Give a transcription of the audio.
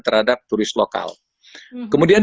terhadap turis lokal kemudian